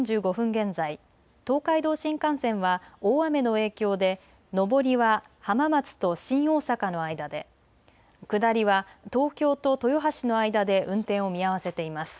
現在東海道新幹線は大雨の影響で上りは浜松と新大阪の間で下りは東京と豊橋の間で運転を見合わせています。